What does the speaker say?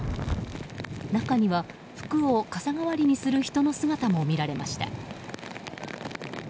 中には、服を傘代わりにする人の姿も見られました。